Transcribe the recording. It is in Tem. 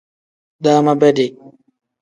Daama bedi.